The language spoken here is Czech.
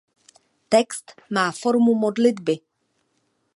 Text má formu modlitby.